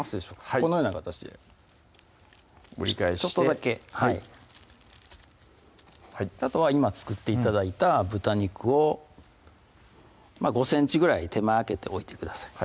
このような形で折り返してちょっとだけはいあとは今作って頂いた豚肉を５ｃｍぐらい手前空けて置いてください